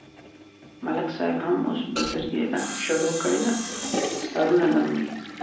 ملک صاحب هم اوس بزرگی ته شروع کړې ده، تارونه دموي.